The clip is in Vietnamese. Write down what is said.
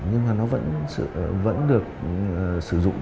nhưng mà nó vẫn được sử dụng